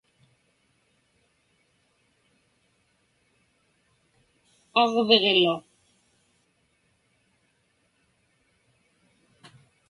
aġviġlu